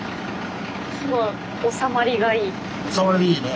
おさまりいいね。